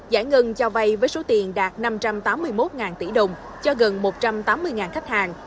giải ngân cho vay với số tiền đạt năm trăm tám mươi một tỷ đồng cho gần một trăm tám mươi khách hàng